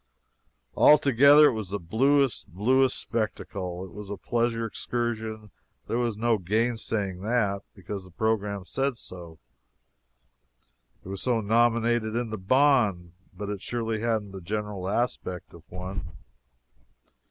Altogether, it was the bluest, bluest spectacle! It was a pleasure excursion there was no gainsaying that, because the program said so it was so nominated in the bond but it surely hadn't the general aspect of one.